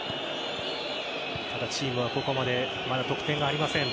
ただ、チームはここまでまだ得点がありません。